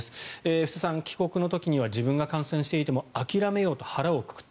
布施さん、帰国の時には自分が感染していても諦めようと腹をくくった。